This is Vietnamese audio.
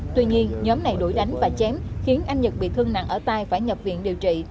tuy nhiên nhóm này đuổi đánh và chém khiến anh nhật bị thương nặng ở tai phải nhập viện điều trị